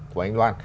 của anh loan